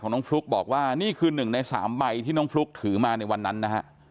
น้องฟลุ๊กบอกว่านี่คือ๑ใน๓ใบที่น้องฟลุ๊กถือมาในวันนั้นนะฮะ